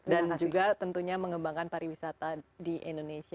dan juga tentunya mengembangkan pariwisata di indonesia